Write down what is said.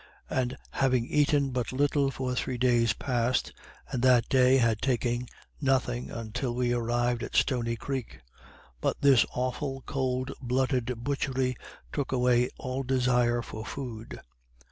and having eaten but little for three days past, and that day had taken nothing until we arrived at Stony creek; but this awful cold blooded butchery took away all desire for food.